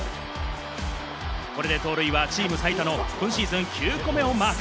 これで盗塁はチーム最多の今シーズン９個目をマーク。